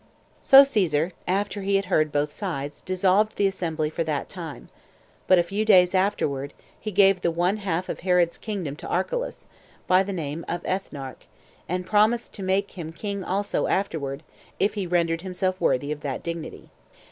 3. So Caesar, after he had heard both sides, dissolved the assembly for that time; but a few days afterward, he gave the one half of Herod's kingdom to Archelaus, by the name of Ethnarch, and promised to make him king also afterward, if he rendered himself worthy of that dignity.